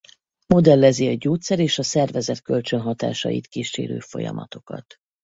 Modellezi a gyógyszer és a szervezet kölcsönhatásait kísérő folyamatokat.